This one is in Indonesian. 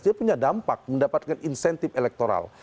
dia punya dampak mendapatkan insentif elektoral